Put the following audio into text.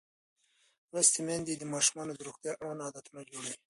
لوستې میندې د ماشومانو د روغتیا اړوند عادتونه جوړوي.